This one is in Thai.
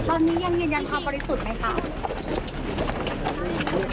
ตอนนี้ยังยืนยันความบริสุทธิ์ไหมคะ